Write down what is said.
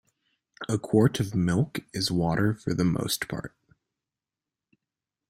A quart of milk is water for the most part.